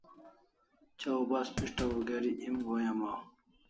Chaw bas pishtaw o geri em go'in amaw